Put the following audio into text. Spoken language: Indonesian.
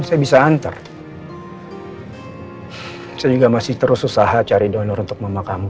saya bisa antar saya juga masih terus usaha cari donor untuk memakamkan